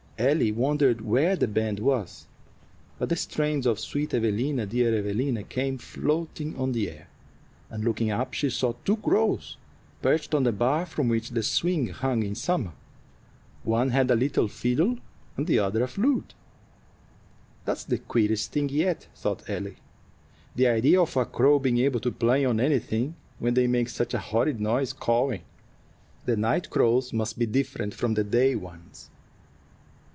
Ellie wondered where the band was, but the strains of "Sweet Evelina, dear Evelina," came floating on the air, and, looking up, she saw two crows perched on the bar from which the swing hung in summer. One had a little fiddle, and the other a flute. "That's the queerest thing yet," thought Ellie. "The idea of a crow being able to play on anything, when they make such a horrid noise cawing! The night crows must be different from the day ones."